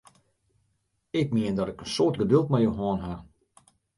Ik mien dat ik in soad geduld mei jo hân ha!